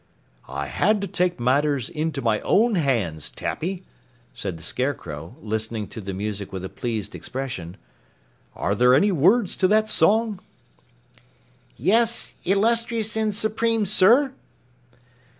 "I had to take matters into my own hands, Tappy," said the Scarecrow, listening to the music with a pleased expression. "Are there any words to that song?" "Yes, illustrious and Supreme Sir!"